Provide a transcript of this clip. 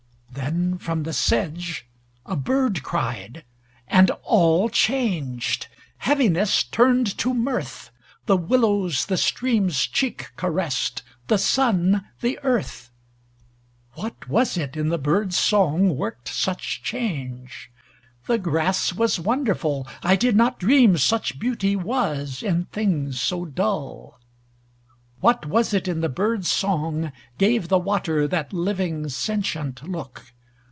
Then from the sedge a bird cried; and all changed. Heaviness turned to mirth: The willows the stream's cheek caressed, The sun the earth. What was it in the bird's song worked such change? The grass was wonderful. I did not dream such beauty was In things so dull. What was it in the bird's song gave the water That living, sentient look?